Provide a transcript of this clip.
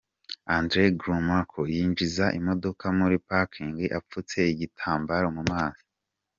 Andre Gromyko yinjiza imodoka muri parking apfutse igitambaro mu maso.